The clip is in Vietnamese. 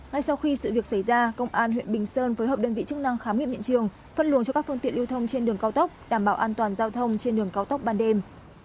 ngay sau khi sự việc xảy ra công an huyện bình sơn phối hợp đơn vị chức năng khám nghiệm hiện trường phân luồng cho các phương tiện lưu thông trên đường cao tốc đảm bảo an toàn giao thông trên đường cao tốc ban đêm